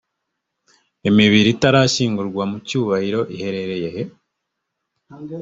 imibiri itarashyingurwa mu cyubahiro iherereye he?